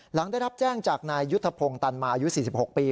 หลังได้รับแจ้งจากนายยุทธพงศ์ตันมาอายุ๔๖ปี